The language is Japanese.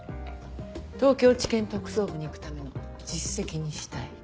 東京地検特捜部に行くための実績にしたい。